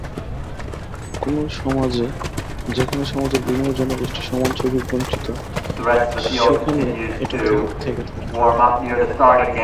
কোনো সমাজে, যেখানে সমাজের বিভিন্ন জনগোষ্ঠী সমান সুযোগবঞ্চিত, সেখানেই এটা থেকে থাকে।